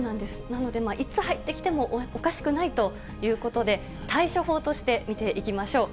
なので、いつ入ってきてもおかしくないということで、対処法として見ていきましょう。